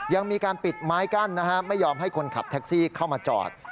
ยังมีการปิดไม้กั้นนะฮะไม่ยอมให้คนขับแท็กซี่เข้ามาจอด